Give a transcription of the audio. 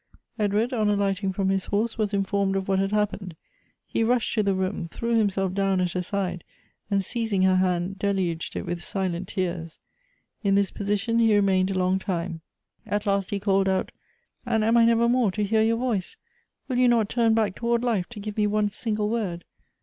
Edward, on alighting from his horse, was informed of what had happened ; he rushed to the room ; threw him self down at her side; and seizing her hand, deluged it with silent tears. In this position he remained a long time. At last he called out :" And am I never more to hear your voice ? Will you not turn back toward life, to give me one single word